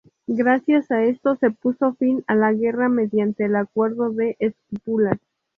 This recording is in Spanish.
Gracias a esto se puso fin a la guerra mediante el Acuerdo de Esquipulas.